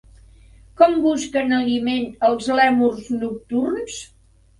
Com busquen aliment els lèmurs nocturns?